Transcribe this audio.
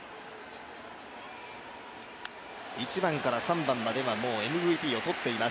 １番から３番まではもうＭＶＰを取っています。